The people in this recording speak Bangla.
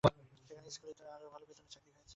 সেখানকার স্কুলেই তার আরও ভালো বেতনে চাকরি হয়েছে।